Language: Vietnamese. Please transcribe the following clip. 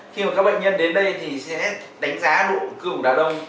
khi mà các bệnh nhân đến đây thì sẽ đánh giá độ cương của đá đông